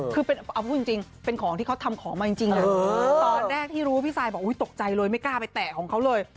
คือเอาพูดจริงเป็นของที่เขาทำของมาจริงแหละตอนแรกที่รู้พี่ซายบอกตกใจเลยไม่กล้าไปแตะของเขาเลย